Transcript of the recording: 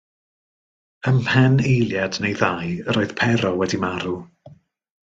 Ym mhen eiliad neu ddau, yr oedd Pero wedi marw.